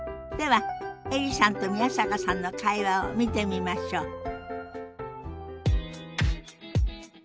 ではエリさんと宮坂さんの会話を見てみましょう。